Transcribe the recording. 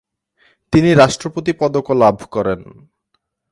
তিনি রাষ্ট্রপতি পদক ও লাভ করেন।